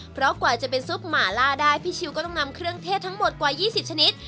เพราะกว่าจะเป็นซุปหมาล่าได้พี่ชิวก็ต้องนำเครื่องเทศทั้งหมดกว่า๒๐ชนิด